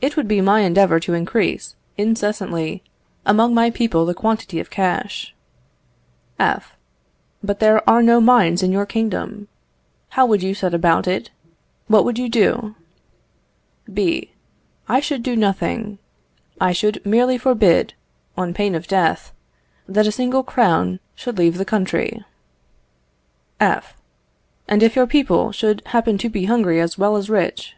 It would be my endeavour to increase, incessantly, among my people the quantity of cash. F. But there are no mines in your kingdom. How would you set about it? What would you do? B. I should do nothing: I should merely forbid, on pain of death, that a single crown should leave the country. F. And if your people should happen to be hungry as well as rich?